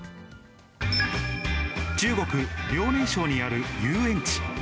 中国・遼寧省にある遊園地。